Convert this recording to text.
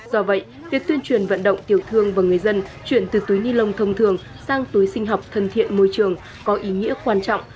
do vậy việc tuyên truyền vận động tiểu thương và người dân chuyển từ túi ni lông thông thường sang túi sinh học thân thiện môi trường có ý nghĩa quan trọng